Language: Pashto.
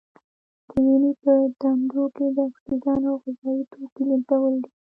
د وینې په دندو کې د اکسیجن او غذايي توکو لیږدول دي.